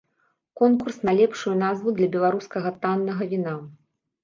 Конкурс на лепшую назву для беларускага таннага віна!